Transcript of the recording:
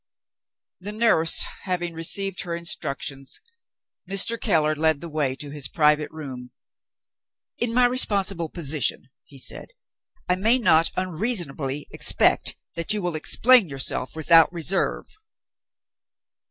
The nurse having received her instructions, Mr. Keller led the way to his private room. "In my responsible position," he said, "I may not unreasonably expect that you will explain yourself without reserve."